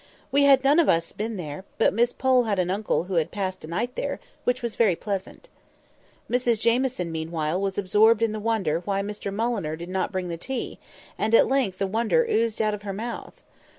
We had none of us been there; but Miss Pole had an uncle who once had passed a night there, which was very pleasant. Mrs Jamieson, meanwhile, was absorbed in wonder why Mr Mulliner did not bring the tea; and at length the wonder oozed out of her mouth.